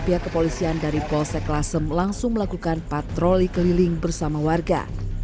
pihak kepolisian dari polsek lasem langsung melakukan patroli keliling bersama warga